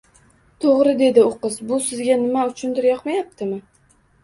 To`g`ri, dedi qiz, bu sizga nima uchundir yoqmayaptimi